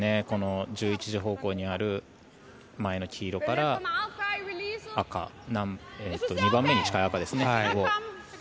この１１時方向にある前の黄色から２番目に近い赤ですね。